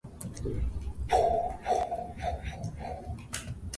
To give up one's child!